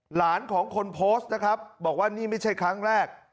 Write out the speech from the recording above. หลานของคนโพสต์นะครับบอกว่านี่ไม่ใช่ครั้งแรก